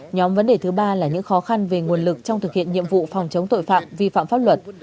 nhóm vấn đề thứ ba là những khó khăn về nguồn lực trong thực hiện nhiệm vụ phòng chống tội phạm vi phạm pháp luật